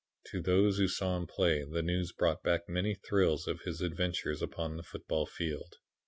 To those who saw him play the news brought back many thrills of his adventures upon the football field.